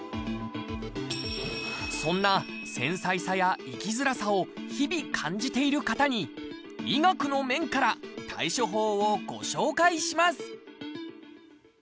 そんな繊細さや、生きづらさを日々感じている方に医学の面から対処法をご紹介します。